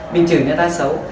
mình chửi người ta xấu